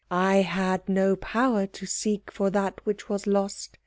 I had no power to seek for that which was lost.